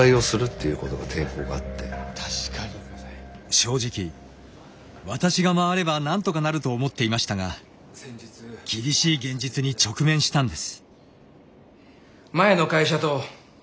正直私が回ればなんとかなると思っていましたが厳しい現実に直面したんです。